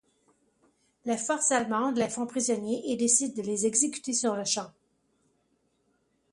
Les forces allemandes les font prisonniers et décident de les exécuter sur le champ.